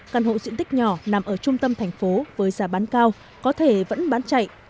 căn hộ diện tích nhỏ nằm ở trung tâm thành phố với giá bán cao có thể vẫn bán chạy